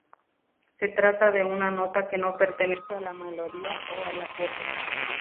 Se trata de una nota que no pertenece a la melodía o al acorde.